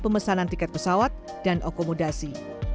pemesanan tiket pesawat dan akomodasi